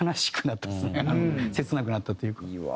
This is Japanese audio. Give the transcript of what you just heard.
切なくなったというか。